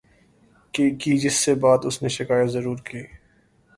کی جس سے بات اسنے شکایت ضرور کی